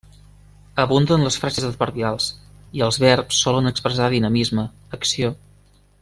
Abunden les frases adverbials i els verbs solen expressar dinamisme, acció.